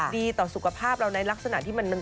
ดีต่อสุขภาพเราในลักษณะที่มัน